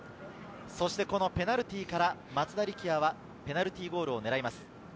ペナルティーから松田力也はペナルティーゴールを狙います。